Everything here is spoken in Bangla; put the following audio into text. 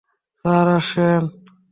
স্যার, আসেন।